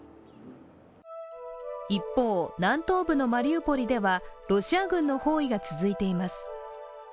一方、南東部のマリウポリではロシア軍の包囲が続いています。